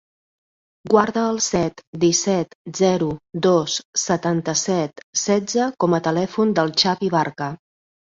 Guarda el set, disset, zero, dos, setanta-set, setze com a telèfon del Xavi Barca.